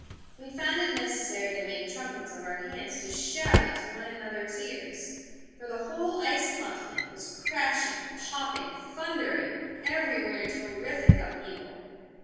We found it necessary to make trumpets of our hands to shout into one another's ears, for the whole ice continent was crashing, popping, thundering everywhere in terrific upheaval.